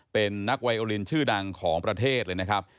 เป็นนักไวโอลินชื่อดังของประเทศเลยนะครับ